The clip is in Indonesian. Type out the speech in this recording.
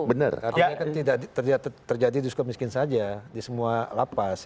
karena kan tidak terjadi disuka miskin saja di semua lapas